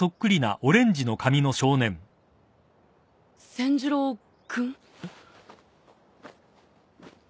千寿郎君？